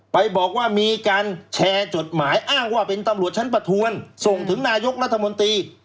ไปบอกว่ามีการแชร์จดหมายอ้างว่าเป็นตำรวจชั้นประทวนส่งถึงนายกรัฐมนตรี